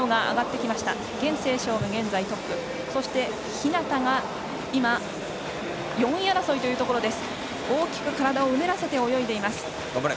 日向楓選手が４位争いというところです。